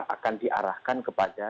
akan diarahkan kepada